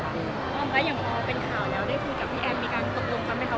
พร้อมแล้วอย่างพอเป็นข่าวแล้วได้คุยกับพี่แอมมีการตกลงกันไหมคะ